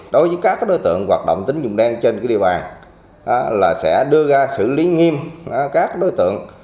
đối với các đối tượng hoạt động tính dụng đen trên địa bàn sẽ đưa ra xử lý nghiêm các đối tượng